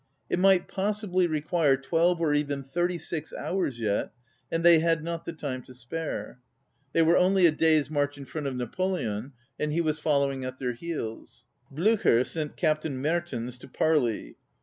It might possibly require twelve or even thirty six hours yet, and they had not the time to spare. They were only a day*s march in front of Napoleon, and he was following at their heels. Bl├╝cher sent Captain Hertens to parley.